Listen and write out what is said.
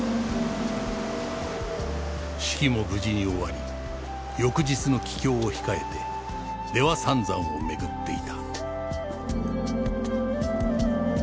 式も無事に終わり翌日の帰京を控えて出羽三山を巡っていた